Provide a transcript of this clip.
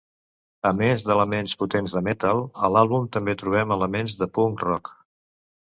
A més d'elements potents de metal, a l'àlbum també trobem elements de punk rock.